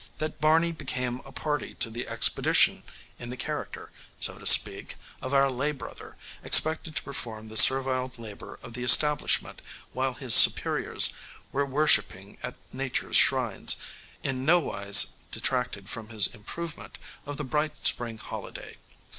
That Barney became a party to the expedition in the character, so to speak, of a lay brother, expected to perform the servile labor of the establishment while his superiors were worshipping at Nature's shrines, in nowise detracted from his improvement of the bright spring holiday.